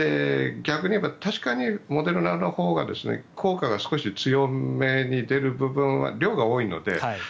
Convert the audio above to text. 逆に言えば確かにモデルナのほうが効果が少し強めに出る部分が量が多いので。